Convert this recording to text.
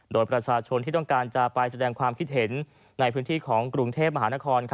โดยประชาชนที่ต้องการจะไปแสดงความคิดเห็นในพื้นที่ของกรุงเทพมหานคร